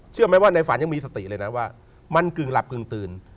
เชื่อไหมว่าในฝันยังมีสติเลยนะว่ามันกึ่งหลับกึ่งตื่น